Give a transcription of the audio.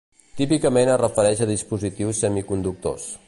Típicament es refereix a dispositius semiconductors.